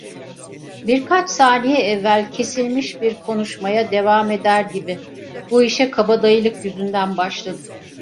Birkaç saniye evvel kesilmiş bir konuşmaya devam eder gibi: "Bu işe kabadayılık yüzünden başladık!"